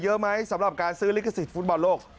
เยอะไหมสำหรับการซื้อลิขสิทธิฟุตบอลโลก